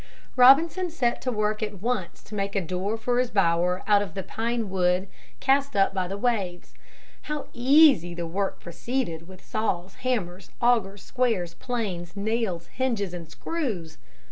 Robinson set to work at once to make a door for his bower out of the pine wood cast up by the waves. How easy the work proceeded with saws, hammers, augers, squares, planes, nails, hinges, and screws!